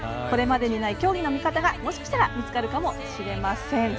これまでにない競技の見方がもしかしたら見つかるかもしれません。